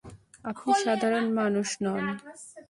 আপনি সাধারণ মানুষ নন।